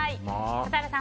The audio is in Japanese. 笠原さん